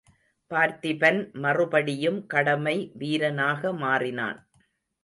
பார்த்திபன் மறுபடியும் கடமை வீரனாக மாறினான்.